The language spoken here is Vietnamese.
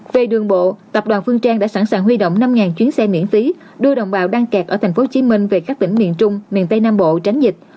về đường bộ tập đoàn phương trang đã sẵn sàng huy động năm chuyến xe miễn phí đưa đồng bào đang kẹt ở tp hcm về các tỉnh miền trung miền tây nam bộ tránh dịch